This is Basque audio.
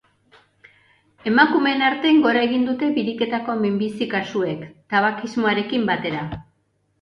Emakumeen artean, gora egin dute biriketako minbizi kasuek, tabakismoarekin batera.